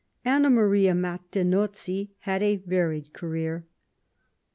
Anna Maria Martinozzi had a varied career.